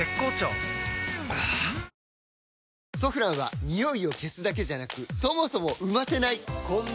はぁ「ソフラン」はニオイを消すだけじゃなくそもそも生ませないこんな